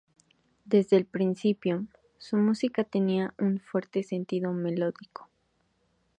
Desde el principio, su música tenía un fuerte sentido melódico.